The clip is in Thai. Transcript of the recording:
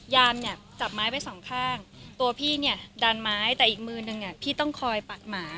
ยามเนี่ยจับไม้ไปสองข้างตัวพี่เนี่ยดันไม้แต่อีกมือนึงพี่ต้องคอยปักหมา